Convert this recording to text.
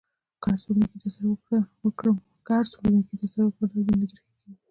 که هر څومره نېکي در سره وکړم؛ رنګ مې نه در ښه کېږي.